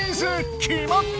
きまった！